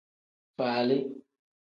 Faali.